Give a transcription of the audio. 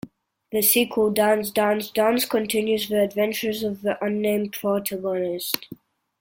The sequel, "Dance, Dance, Dance", continues the adventures of the unnamed protagonist.